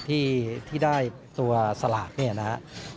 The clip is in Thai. ที่ได้ตัวสลากเนี่ยนะครับ